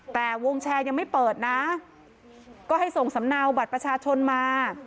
แต่วงแชร์ยังไม่เปิดนะก็ให้ส่งสำเนาบัตรประชาชนมา